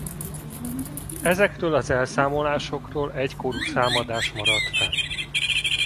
Ezekről az elszámolásokról egykorú számadás maradt fenn.